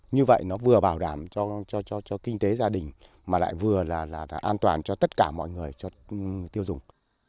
như vậy nó vừa bảo đảm cho kinh tế gia đình mà lại vừa là an toàn cho tất cả mọi người cho tiêu dùng